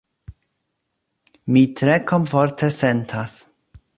Mi tre komforte sentas.